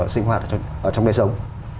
sinh hoạt trong đời sống